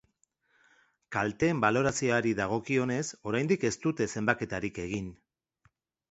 Kalteen balorazioari dagokionez, oraindik ez dute zenbaketarik egin.